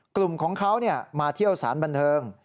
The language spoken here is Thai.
กลุ่มของเขามาเที่ยวสารบันเทิง